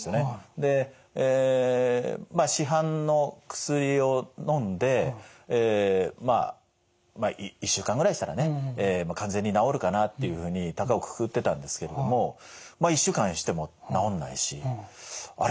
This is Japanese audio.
でまあ市販の薬をのんでまあまあ１週間ぐらいしたらね完全に治るかなっていうふうにたかをくくってたんですけれどもまあ１週間しても治んないしあれ？